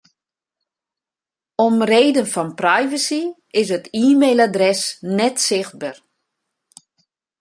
Om reden fan privacy is it e-mailadres net sichtber.